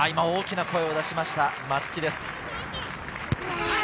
大きな声を出しました、松木です。